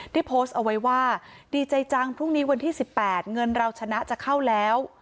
โพสต์เอาไว้ว่าดีใจจังพรุ่งนี้วันที่๑๘เงินเราชนะจะเข้าแล้ว